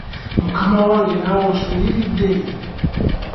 Mukama wange naawe onsuuliridde?